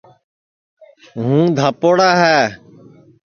ہُوں دھاپوڑا ہے